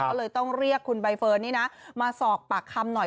ก็เลยต้องเรียกคุณใบเฟิร์นนี่นะมาสอบปากคำหน่อย